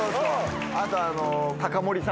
あと。